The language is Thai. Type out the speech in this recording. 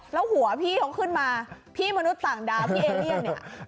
แล้วหัวพี่เขาขึ้นมาพี่มนุษย์ต่างดาวพี่เอเลียนเนี่ย